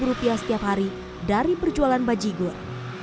rp sepuluh seratus setiap hari dari perjualan bajibur